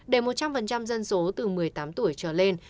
để một trăm linh dân số từ một mươi tám tuổi trở lên